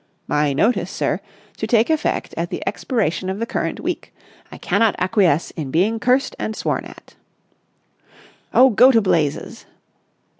"My notice sir, to take effect at the expiration of the current week. I cannot acquiesce in being cursed and sworn at." "Oh, go to blazes!"